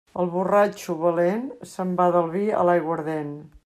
El borratxo valent se'n va del vi a l'aiguardent.